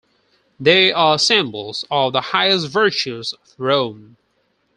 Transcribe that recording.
They are symbols of the highest virtues of Rome.